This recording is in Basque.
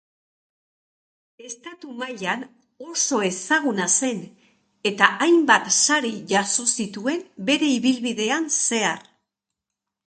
Estatu-mailan oso ezaguna zen, eta hainbat sari jaso zituen bere ibilbidean zehar.